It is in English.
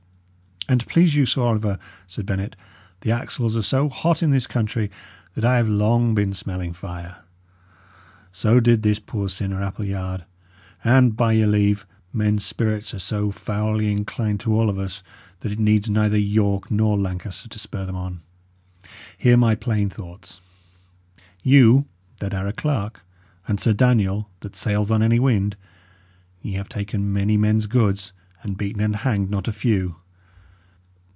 "An't please you, Sir Oliver," said Bennet, "the axles are so hot in this country that I have long been smelling fire. So did this poor sinner, Appleyard. And, by your leave, men's spirits are so foully inclined to all of us, that it needs neither York nor Lancaster to spur them on. Hear my plain thoughts: You, that are a clerk, and Sir Daniel, that sails on any wind, ye have taken many men's goods, and beaten and hanged not a few.